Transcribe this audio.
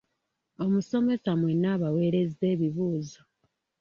Omusomesa mwenna abaaweereza ebibuuzo.